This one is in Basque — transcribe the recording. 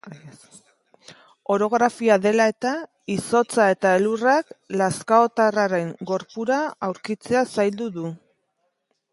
Orografia dela eta, izotza eta elurrak lazkaotarraren gorpua aurkitzea zaildu du.